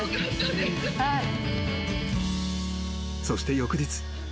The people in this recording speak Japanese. ［そして翌日。